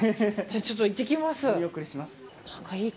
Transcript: じゃあちょっと行ってきます。